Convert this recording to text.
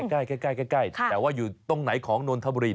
อ๋อแค่นี้เองใกล้แต่ว่าอยู่ตรงไหนของโน้นทบุรี